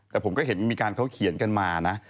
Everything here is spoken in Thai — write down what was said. แต่ผมก็เห็นมีการเขาเขียนกันมานะ